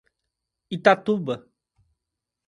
Itatuba